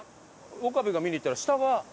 岡部が見に行ったら下は。